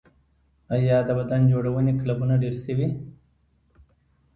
آیا د بدن جوړونې کلبونه ډیر شوي؟